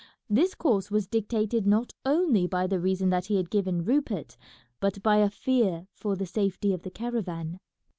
This course was dictated not only by the reason that he had given Rupert, but by a fear for the safety of the caravan.